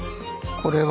これは。